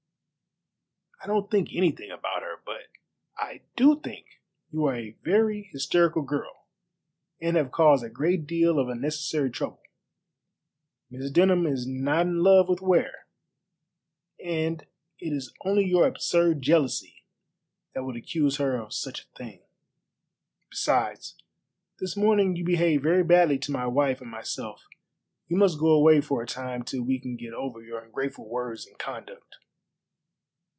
"I don't think anything about her; but I do think you are a very hysterical girl, and have caused a great deal of unnecessary trouble. Miss Denham is not in love with Ware, and it is only your absurd jealousy that would accuse her of such a thing. Besides, this morning you behaved very badly to my wife and myself. You must go away for a time till we can get over your ungrateful words and conduct."